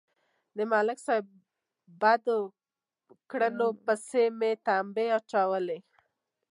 د ملک صاحب بدو کړنو پسې مې تمبې اچولې.